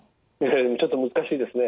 ちょっと難しいですね。